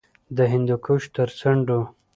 د هندوکش تر څنډو